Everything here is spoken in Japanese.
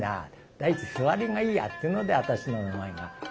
第一すわりがいいや」っていうので私の名前が決まったと。